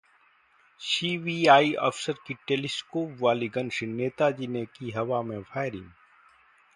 CBI अफसर की telescope वाली गन से नेताजी ने की हवा में फायरिंग